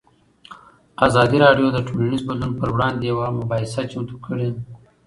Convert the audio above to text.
ازادي راډیو د ټولنیز بدلون پر وړاندې یوه مباحثه چمتو کړې.